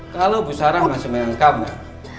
kalau bu sarah masih menyangkalnya